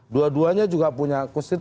dua duanya juga punya kusir